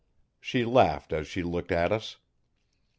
She laughed as she looked at us.